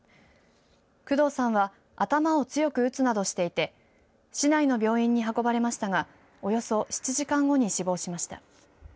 工藤さんは頭を強く打つなどしていて市内の病院に運ばれましたがおよそ７時間後に死亡しました。